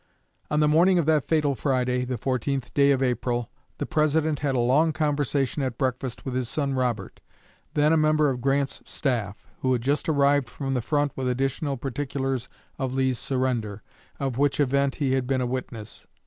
On the morning of that fatal Friday, the 14th day of April, the President had a long conversation at breakfast with his son Robert, then a member of Grant's staff, who had just arrived from the front with additional particulars of Lee's surrender, of which event he had been a witness.